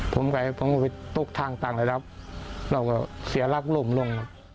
ผมก็ไปตกทางต่างแล้วเราก็เสียลักษณ์ล่มล่ม